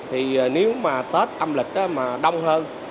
thì nếu mà tết âm lịch mà đông hơn